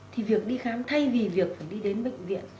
thì việc đi khám thay vì việc phải đi đến bệnh viện